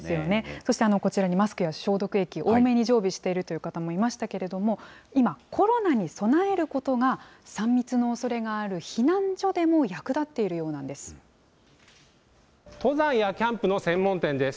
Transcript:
そしてこちらにマスクや消毒液、多めに常備しているという方もいましたけれども、今、コロナに備えることが３密のおそれがある避難所でも役立登山やキャンプの専門店です。